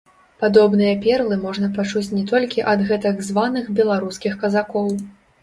Падобныя перлы можна пачуць не толькі ад гэтак званых беларускіх казакоў.